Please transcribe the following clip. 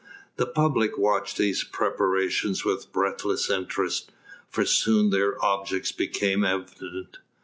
The public watched these preparations with breathless interest, for soon their objects became evident.